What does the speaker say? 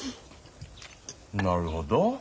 なるほど。